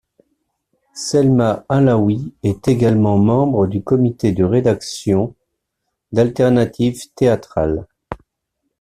Selma Alaoui est également membre du comité de rédaction d'Alternatives théâtrales.